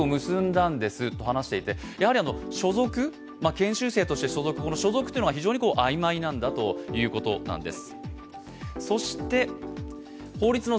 研修生として所属というのが非常に曖昧なんだということなんです。